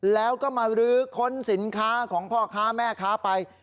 แล้วก็มาลื้อค้นสินค้าของพ่อค้าแม่ค้าไป